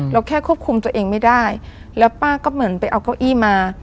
แค่ควบคุมตัวเองไม่ได้แล้วป้าก็เหมือนไปเอาเก้าอี้มา